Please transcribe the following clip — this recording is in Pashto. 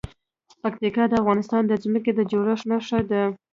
پکتیا د افغانستان د ځمکې د جوړښت نښه ده.